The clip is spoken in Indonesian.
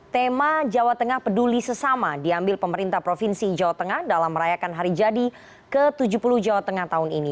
tema jawa tengah peduli sesama diambil pemerintah provinsi jawa tengah dalam merayakan hari jadi ke tujuh puluh jawa tengah tahun ini